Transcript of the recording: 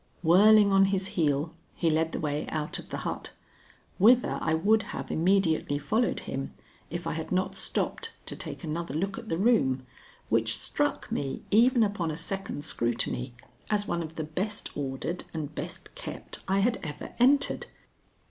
Whirling on his heel, he led the way out of the hut, whither I would have immediately followed him if I had not stopped to take another look at the room, which struck me, even upon a second scrutiny, as one of the best ordered and best kept I had ever entered.